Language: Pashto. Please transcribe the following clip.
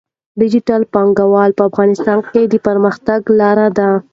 ډیجیټل بانکوالي په افغانستان کې د پرمختګ لاره ده.